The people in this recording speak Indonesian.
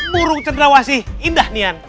burung cenderawasih indah nian